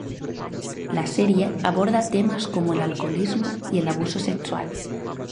La serie aborda temas como el alcoholismo y el abuso sexual.